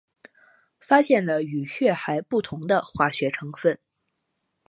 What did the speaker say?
发现了与月海不同的化学成分。